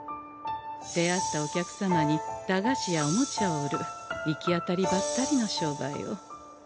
出会ったお客様に駄菓子やおもちゃを売る行き当たりばったりの商売を。